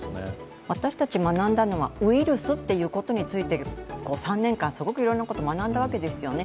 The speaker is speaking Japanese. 私たち学んだのはウイルスということについて３年間すごくいろいろなことを学んだわけですよね。